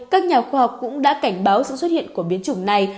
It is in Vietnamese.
các nhà khoa học cũng đã cảnh báo sự xuất hiện của biến chủng này